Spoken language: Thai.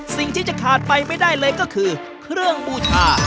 สิ่งที่จะขาดไปไม่ได้เลยก็คือเครื่องบูชา